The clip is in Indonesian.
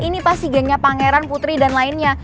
ini pasti gengnya pangeran putri dan lainnya